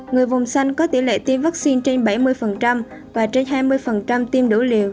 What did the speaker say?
người vùng xanh có tỷ lệ tiêm vaccine trên bảy mươi và trên hai mươi tiêm đỗ liều